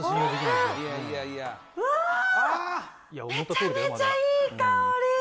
わー、めちゃめちゃいい香り。